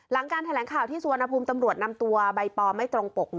หลังการแถลงข่าวที่สุวรรณภูมิตำรวจนำตัวใบปอไม่ตรงปก